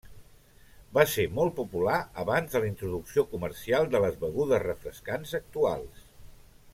Va ser molt popular abans de la introducció comercial de les begudes refrescants actuals.